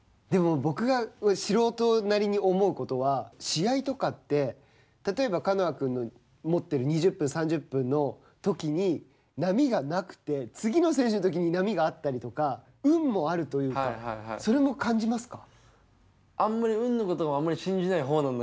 試合とかって、例えば、カノア君の持っている２０分、３０分のときに、波がなくて、次の選手のときに波があったりとか運もあるというか、それも感じますか。